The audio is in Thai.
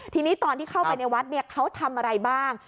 ทีนี้ตอนที่เข้าไปในวัดเขาทำอะไรบ้าง